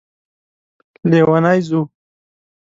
لیونی ځو